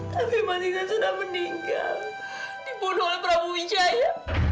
tapi masih sudah meninggal dibunuh oleh prabu wijaya